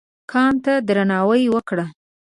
کان ته درناوی وکړه.